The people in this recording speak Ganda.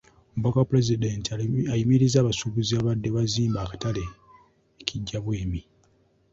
Omubaka wa Pulezidenti ayimirizza abasuubuzi ababadde bazimba akatale e Kijjabwemi.